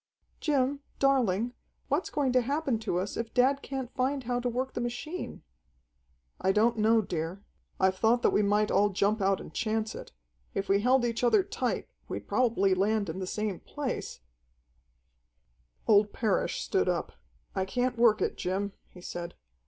"Jim, darling, what's going to happen to us if dad can't find how to work the machine?" "I don't know, dear. I've thought that we might all jump out and chance it. If we held each other tight, we'd probably land in the same place "Old Parrish stood up. "I can't work it, Jim," he said.